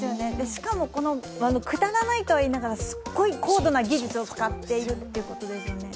しかも、このくだらないとはいいながら、すっごい高度な技術を使っているということでところですよね。